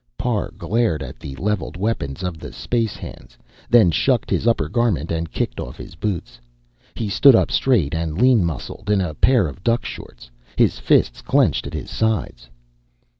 Parr glared at the levelled weapons of the space hands, then shucked his upper garment and kicked off his boots. He stood up straight and lean muscled, in a pair of duck shorts. His fists clenched at his sides.